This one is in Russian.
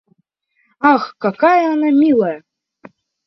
Ах, какая она милая!